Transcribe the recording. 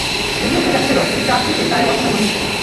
এগিয়ে গিয়ে দেখা গেল, একটি ট্রাক থেকে চালের বস্তা নামানো হচ্ছে।